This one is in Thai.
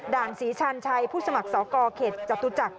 ศรีชาญชัยผู้สมัครสกเขตจตุจักร